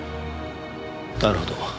なるほど。